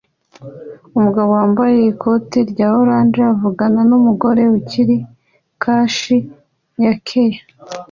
Umugabo wambaye ikoti rya orange avugana numugore kuri kashi ya Ikea